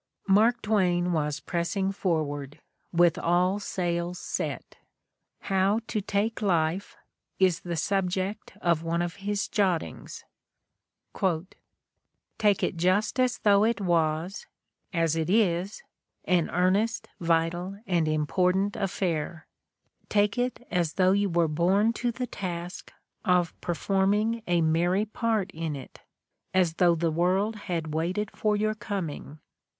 Mark Twain was pressing forward, with all sails set. "How to Take Life" is the subject of one of his jot tings :'' Take it just as though it was — as it is — an ea:rn est, vital, and important affair: Take it as though you were born to the task of performing a merry part in it — as though the world had waited for your coming.